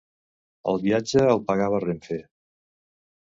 El viatge el pagava Renfe.